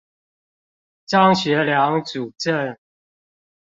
張學良主政